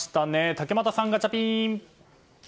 竹俣さん、ガチャピン！